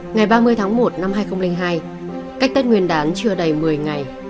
ngày ba mươi tháng một năm hai nghìn hai cách tết nguyên đán chưa đầy một mươi ngày